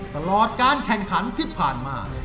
ตลอดการแข่งขันที่ผ่านมา